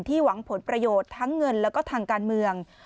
หวังผลประโยชน์ทั้งเงินแล้วก็ทางการเมือง